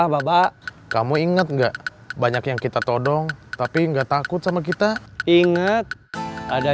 bobby apa bapak kamu ingat nggak banyak yang kita todong tapi enggak takut sama kita inget ada